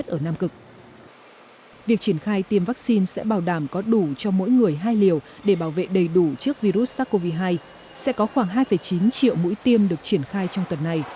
có khoảng hai chín triệu mũi tiêm được triển khai trong tuần này